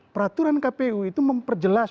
peraturan kpu itu memperjelas